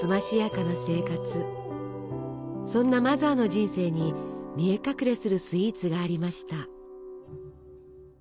そんなマザーの人生に見え隠れするスイーツがありました。